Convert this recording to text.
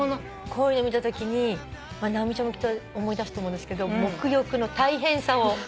こういうの見たときに直美ちゃんも思い出すと思うんですけど沐浴の大変さを。